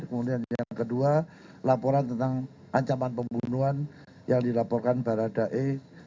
kemudian yang kedua laporan tentang ancaman pembunuhan yang dilaporkan baradae